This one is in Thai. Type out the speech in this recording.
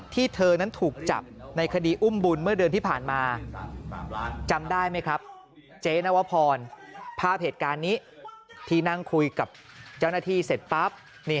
ที่นั่งคุยกับเจ้าหน้าที่เสร็จปาร์บ